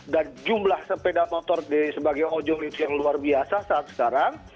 dan jumlah sepeda motor sebagai ojolips yang luar biasa saat sekarang